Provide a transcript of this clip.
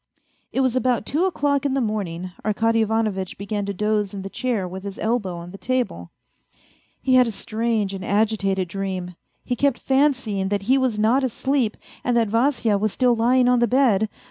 It was about two o'clock in the morning, Arkady Ivanovitch began to doze in the chair with his elbow on the table ! He had a strange and agitated dream. He kept fancying that he was not asleep, and that Vasya was still lying on the bed.